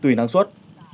tùy năng suất